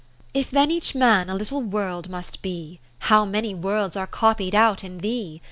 If then each man 0. Little World must be. How many Worlds are copied out in thee.